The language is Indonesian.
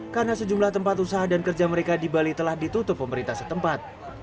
karena sejumlah tempat usaha dan kerja mereka di bali telah ditutup pemerintah setempat